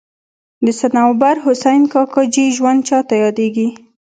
د صنوبر حسین کاکاجي ژوند چاته یادېږي.